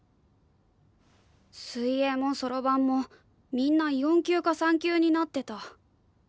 水泳もそろばんもみんな４級か３級になってた。